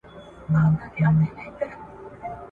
ملتونه ولي د ماشومانو حقونه پلي کوي؟